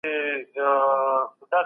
اقتصادي تعاون ژوند اسانه کوي.